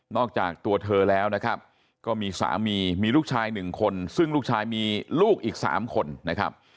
จากตัวเธอแล้วนะครับก็มีสามีมีลูกชายหนึ่งคนซึ่งลูกชายมีลูกอีก๓คนนะครับ